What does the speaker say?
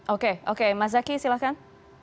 oke oke mas zaky silahkan